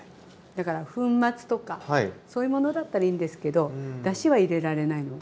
だから粉末とかそういうものだったらいいんですけどだしは入れられないの。